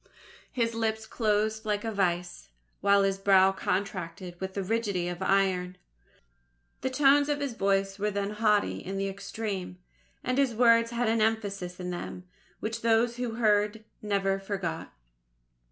His lips closed like a vice, while his brow contracted with the rigidity of iron. The tones of his voice were then haughty in the extreme, and his words had an emphasis in them, which those who heard never forgot.